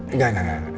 enggak enggak enggak